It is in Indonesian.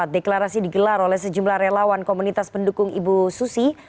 deklarasi digelar oleh sejumlah relawan komunitas pendukung ibu susi